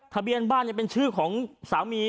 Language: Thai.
ทะเบียนบ้านเป็นชื่อของสามี